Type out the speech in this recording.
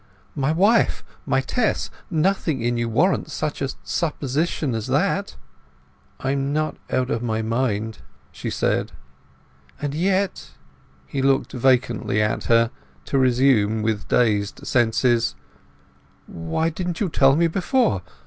My wife, my Tess—nothing in you warrants such a supposition as that?" "I am not out of my mind," she said. "And yet—" He looked vacantly at her, to resume with dazed senses: "Why didn't you tell me before?